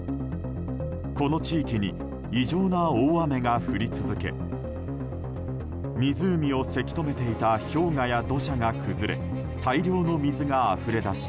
この地域に異常な大雨が降り続け湖をせき止めていた氷河や土砂が崩れ大量の水があふれ出し